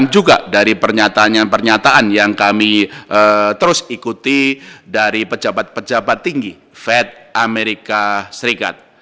juga dari pernyataan pernyataan yang kami terus ikuti dari pejabat pejabat tinggi fed amerika serikat